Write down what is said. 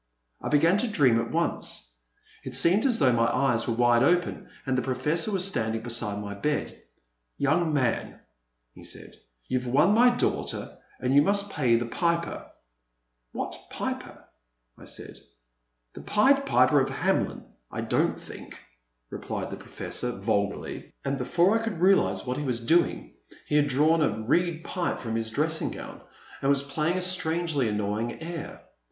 I began to dream at once. It seemed as though my eyes were wide open and the Professor was standing beside my bed. "Young man," he said, "you've won my daughter and you must pay the piper !" "What piper?" I said. "The pied piper of Hamlin, I don't think," replied the Professor vulgarly, and before I could 394 ^^^^^^^ Next Table. realize what he was doing he had drawn a reed pipe from his dressing gown and was playing a strangely annoying air.